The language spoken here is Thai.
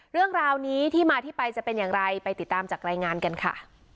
เรื่องราวนี้ที่มาที่ไปจะเป็นอย่างไรไปติดตามจากรายงานกันค่ะ